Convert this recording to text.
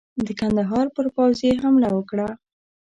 د کندهار پر پوځ یې حمله وکړه.